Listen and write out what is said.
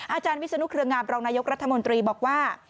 อาจารย์วิศนุเครืองามรองนายกรัฐมนตรีบอกว่า